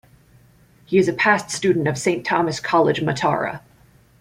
He is a past student of Saint Thomas' College, Matara.